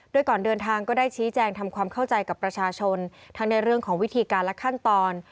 โดยก่อนเดินทางก็ได้ชี้แจงทำความเข้าใจกับประชาชนทั้งในเรื่องของวิธีการและขั้นตอน